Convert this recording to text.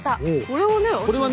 これはね。